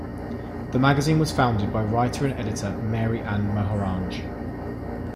The magazine was founded by writer and editor Mary Anne Mohanraj.